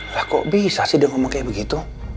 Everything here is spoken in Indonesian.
nah kok bisa sih dia ngomong kayak begitu